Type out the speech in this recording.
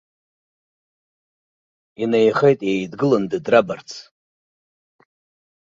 Инеихеит иеидгылан дыдрабарц.